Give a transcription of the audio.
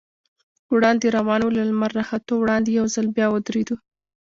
وړاندې روان و، له لمر راختو وړاندې یو ځل بیا ودرېدو.